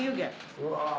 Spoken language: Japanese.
うわ。